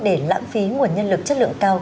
để lãng phí nguồn nhân lực chất lượng cao